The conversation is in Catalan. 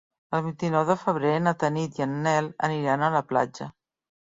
El vint-i-nou de febrer na Tanit i en Nel aniran a la platja.